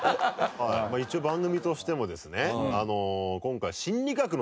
一応番組としてもですね今回心理学？